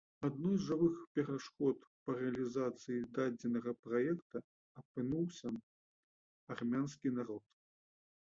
Адной з жывых перашкод да рэалізацыі дадзенага праекта апынуўся армянскі народ.